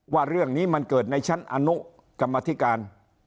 ว่าเรื่องนี้มันเกิดในชั้นอนุกรรมธิการ